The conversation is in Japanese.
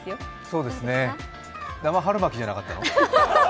そうですね生春巻きじゃなかったの？